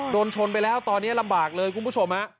โดนชนไปแล้วตอนนี้ลำบากเลยคุณผู้ชม